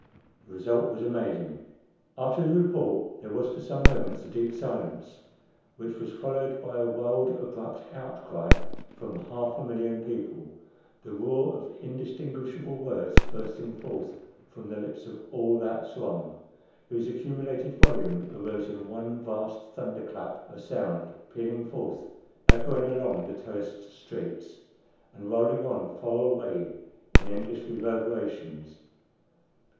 The result was amazing. After the report there was for some moments a deep silence, which was followed by a wild, abrupt outcry from half a million people the roar of indistinguishable words bursting forth from the lips of all that throng, whose accumulated volume arose in one vast thunder clap of sound, pealing forth, echoing along the terraced streets, and rolling on far away in endless reverberations.